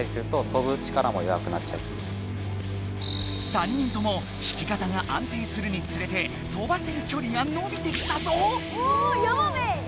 ３人とも引き方があんていするにつれて飛ばせる距離が伸びてきたぞ！